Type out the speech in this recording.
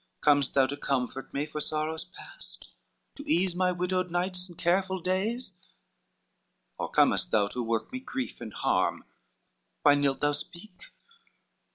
Com'st thou to comfort me for sorrows past? To ease my widow nights and careful days? Or comest thou to work me grief and harm? Why nilt thou speak?